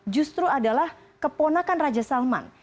justru adalah keponakan raja salman